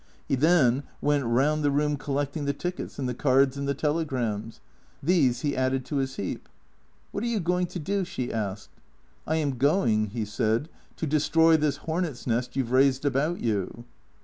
He then went round the 122 T H E C R E A T 0 E S room collecting the tickets and the cards and the telegrams. These he added to his heap. " What are you going to do ?" she asked. " I am going," he said, " to destroy this hornets' nest you 've raised about you."